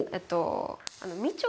みちょ